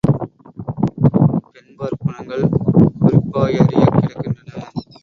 பெண்பாற் குணங்கள் குறிப்பாயறியக் கிடக்கின்றன.